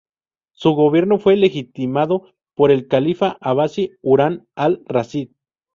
Su gobierno fue legitimado por el califa abasí Harún al-Rashid.